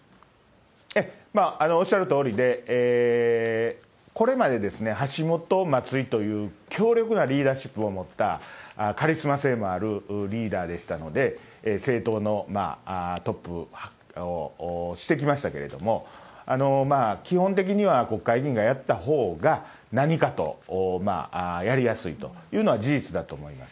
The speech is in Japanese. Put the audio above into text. おっしゃるとおりで、これまで橋下、松井という強力なリーダーシップを持ったカリスマ性のあるリーダーでしたので、政党のトップをしてきましたけれども、基本的には国会議員がやったほうが、何かとやりやすいというのは事実だと思います。